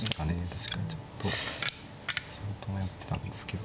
確かにちょっと相当迷ってたんですけど。